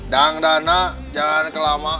dangdana jangan kelamaan